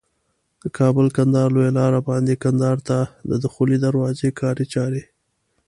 د کابل کندهار لویه لار باندي کندهار ته د دخولي دروازي کاري چاري